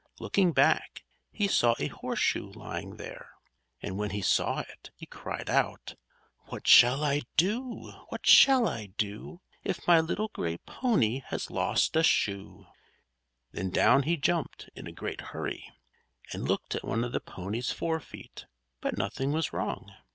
Looking back, he saw a horseshoe lying there. And when he saw it, he cried out: "What shall I do? What shall I do? If my little gray pony has lost a shoe?" Then down he jumped, in a great hurry, and looked at one of the pony's fore feet; but nothing was wrong.